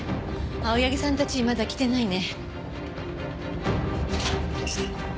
青柳さんたちまだ来てないね。